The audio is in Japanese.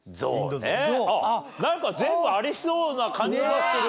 なんか全部ありそうな感じはする。